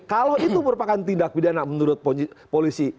kalau itu merupakan tindak pidana menurut polisi